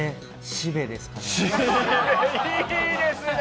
しべ、いいですね。